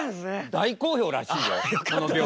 大好評らしいよこの病院。